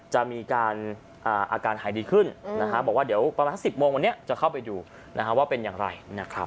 จะมีอาการหายดีขึ้นบอกว่าเดี๋ยวประมาณสัก๑๐โมงวันนี้จะเข้าไปดูว่าเป็นอย่างไรนะครับ